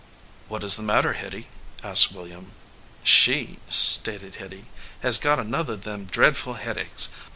"What is the matter, Hitty?" asked William. "She," stated Hitty, "has got another of them dreadful headaches.